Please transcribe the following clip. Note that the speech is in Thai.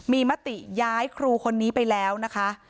มีมติย้ายครูคนนี้ไปแล้วนะคะ